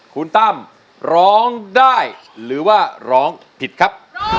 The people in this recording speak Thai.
คุณตั้มร้องได้หรือว่าร้องผิดครับ